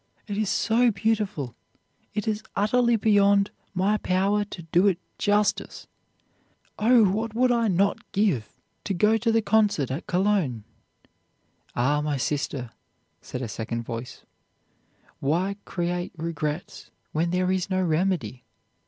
It is so beautiful; it is utterly beyond my power to do it justice. Oh, what would I not give to go to the concert at Cologne!' 'Ah! my sister,' said a second voice; 'why create regrets when there is no remedy?